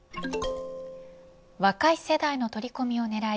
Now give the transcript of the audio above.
若い世代の取り込みを狙い